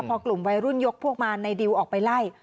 พอกลุ่มวัยรุ่นยกพวกมาในดิวออกไปไล่